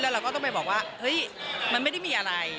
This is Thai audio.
เราก็ต้องไปบอกว่าเฮ้ยมันไม่ได้มีอะไร